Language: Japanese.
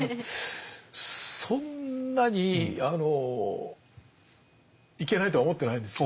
そんなにあのいけないとは思ってないんですよ。